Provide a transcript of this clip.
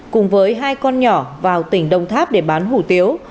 cùng với hai con nhỏ vào tỉnh đồng tháp để bán hủ tiếu